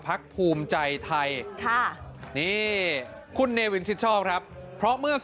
พรรคภูมิใจไทยค่ะนี่คุณเม่อ